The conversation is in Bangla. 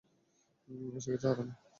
এসে গেছে হারামী।